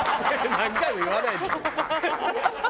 何回も言わないでよ。